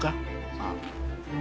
ああ。